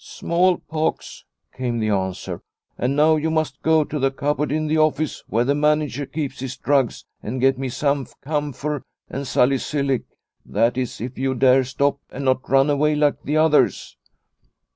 " Smallpox," came the answer ;" and now you must go to the cupboard in the office where the manager keeps his drugs and get me some camphor and salicylic, that is if you dare stop and not run away like the others."